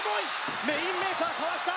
レインメーカーかわした！